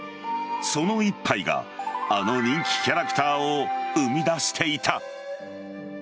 その一杯があの人気キャラクターを生み出していた。